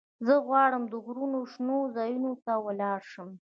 زه غواړم د غرونو شنو ځايونو ته ولاړ شم.